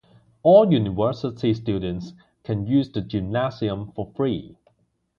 All University students can use the gymnasium for free.